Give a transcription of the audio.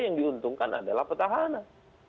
yang diuntungkan adalah petahana